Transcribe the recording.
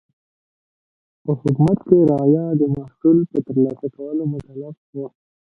په حکومت کې رعایا د محصول په ترسره کولو مکلف و.